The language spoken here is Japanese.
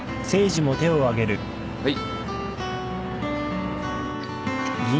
はい。